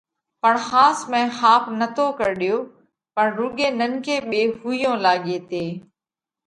پڻ ۿاس ۾ ۿاپ نتو ڪرڙيو پڻ رُوڳي ننڪي ٻي ۿُوئيون لاڳي تي۔